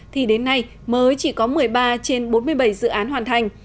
thì đến nay mới chỉ có một mươi ba trên bốn mươi bảy dự án hoàn thành